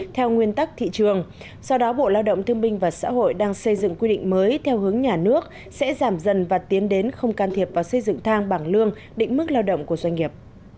theo nguyên tắc thị trường sau đó bộ lao động thương minh và xã hội đang xây dựng quy định mới theo hướng nhà nước sẽ giảm dần và tiến đến không can thiệp vào xây dựng thang bảng lương định mức lao động của doanh nghiệp